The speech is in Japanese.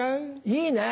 いいね。